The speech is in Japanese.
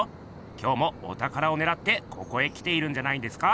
今日もおたからをねらってここへ来ているんじゃないんですか。